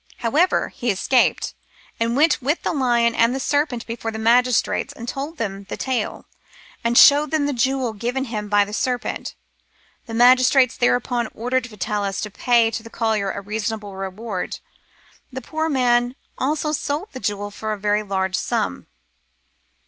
However, he escaped, and went with the lion and serpent before the magistrates and told them the tale, and showed them the jewel given him by the serpent. The magistrates thereupon ordered Vitalis to pay to the collier a reasonable reward. The poor man also sold the jewel for a very large sum."